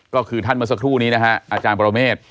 ก็คือท่านเมื่อสักครู่นี้นะฮะอาจารย์ปรเมฆ